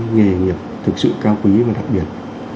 nghề nghiệp thực sự cao quý và đặc biệt